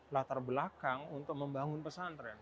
latar belakang untuk membangun pesantren